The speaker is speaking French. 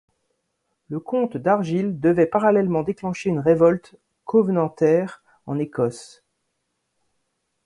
Le comte d'Argyll devait parallèlement déclencher une révolte covenantaire en Écosse.